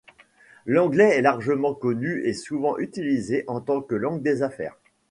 L'anglais est largement connu et souvent utilisé en tant que langue des affaires.